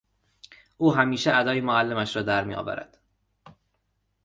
او همیشه ادای معلمش را در میآورد.